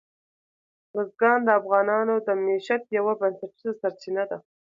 بزګان د افغانانو د معیشت یوه بنسټیزه سرچینه ده.